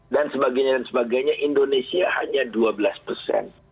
dan sebagainya dan sebagainya indonesia hanya dua belas persen